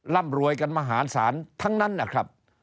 ร่ำรวยกันมหาศาลทั้งนั้นนะครับ